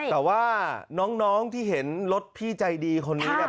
แต่ว่าน้องที่เห็นรถพี่ใจดีคนนี้เนี่ย